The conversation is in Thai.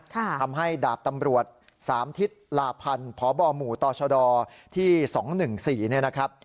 ทำให้ดาบตำรวจ๓ทิศหลาบพันธุ์พบหมู่ตชที่๒๑๔นะครับ